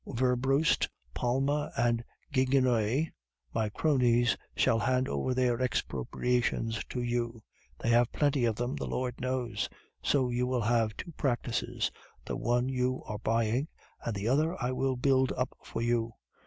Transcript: Werbrust, Palma, and Gigonnet, my cronies, shall hand over their expropriations to you; they have plenty of them, the Lord knows! So you will have two practices the one you are buying, and the other I will build up for you.